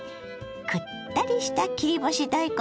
くったりした切り干し大根